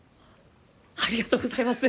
ありがとうございます！